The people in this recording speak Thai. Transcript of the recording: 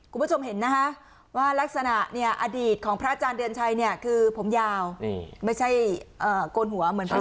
คุณผู้ชมเห็นนะคะว่ารักษณะเนี่ยอดีตของพระอาจารย์เดือนชัยเนี่ยคือผมยาวไม่ใช่โกนหัวเหมือนผม